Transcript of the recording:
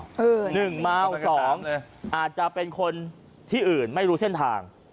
๑เมา๒อาจจะเป็นคนที่อื่นไม่รู้เส้นทาง